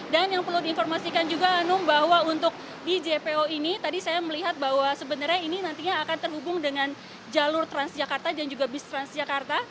dan yang perlu diinformasikan juga hanum bahwa untuk di jpo ini tadi saya melihat bahwa sebenarnya ini nantinya akan terhubung dengan jalur transjakarta dan juga bis transjakarta